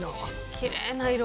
きれいな色。